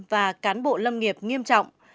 và cán bộ lâm nghiệp nghiêm trọng